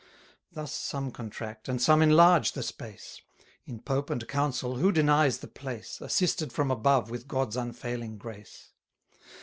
Thus some contract, and some enlarge the space: In Pope and Council, who denies the place, Assisted from above with God's unfailing grace?